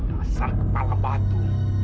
dasar kepala batu